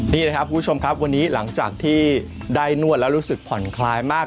นี่นะครับคุณผู้ชมครับวันนี้หลังจากที่ได้นวดแล้วรู้สึกผ่อนคลายมาก